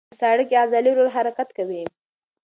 په ساړه کې عضلې ورو حرکت کوي.